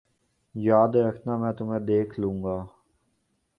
یاد رکھنا میں تمہیں دیکھ لوں گا